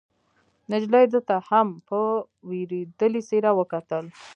نجلۍ ده ته هم په وېرېدلې څېره وکتل.